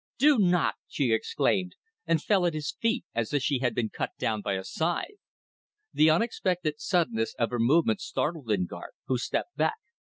"Do not!" she exclaimed, and fell at his feet as if she had been cut down by a scythe. The unexpected suddenness of her movement startled Lingard, who stepped back.